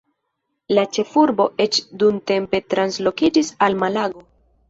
La ĉefurbo eĉ dumtempe translokiĝis al Malago.